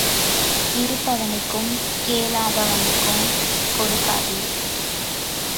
இருப்பவனுக்கும் கேளாதவனுக்கும் கொடுக்காதே.